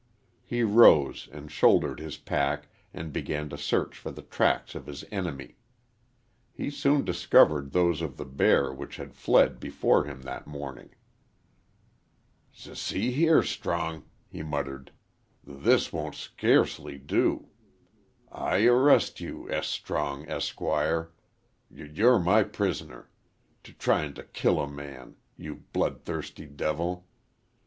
He rose and shouldered his pack and began to search for the tracks of his enemy. He soon discovered those of the bear which had fled before him that morning. "S see here, Strong," he muttered, "th this won't scurcely do. I arrest you, S. Strong, Esquire. Y you're my prisoner. T tryin' t' kill a man you b bloodthirsty devil!